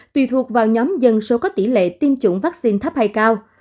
tùy thuộc vào nhóm dân số có tỷ lệ tiêm chủng vaccine thấp hay cao